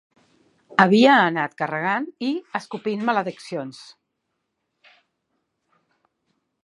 Havia anat carregant i, escopint malediccions.